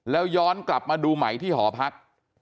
แล้วย้อนกลับมาดูใหม่ที่หอพัก